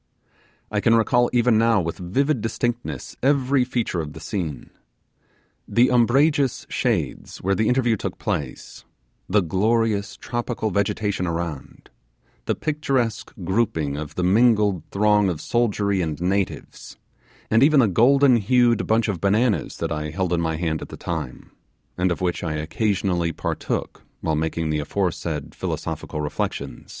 I can recall even now with vivid distinctness every feature of the scene. The umbrageous shades where the interview took place the glorious tropical vegetation around the picturesque grouping of the mingled throng of soldiery and natives and even the golden hued bunch of bananas that I held in my hand at the time, and of which I occasionally partook while making the aforesaid philosophical reflections.